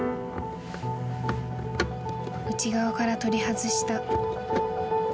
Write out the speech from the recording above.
［内側から取り外した］